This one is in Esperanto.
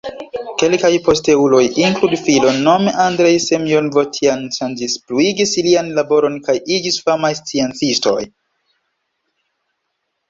Kelkaj posteuloj, inklude filon, nome Andrej Semjonov-Tjan-Ŝanskij, pluigis lian laboron kaj iĝis famaj sciencistoj.